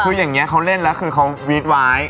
คืออย่างนี้เขาเล่นแล้วคือเขาวีดว้าย